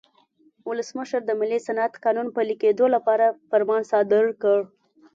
ولسمشر د ملي صنعت قانون پلي کېدو لپاره فرمان صادر کړ.